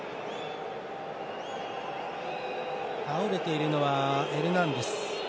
倒れているのはエルナンデス。